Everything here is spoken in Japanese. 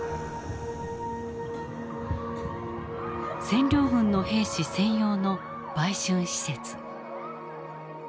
占領軍の兵士専用の売春施設。